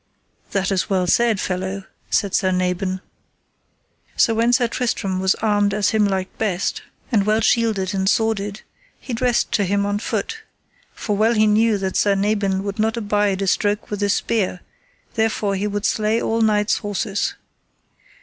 That is well said, fellow, said Sir Nabon. So when Sir Tristram was armed as him liked best, and well shielded and sworded, he dressed to him on foot; for well he knew that Sir Nabon would not abide a stroke with a spear, therefore he would slay all knights' horses.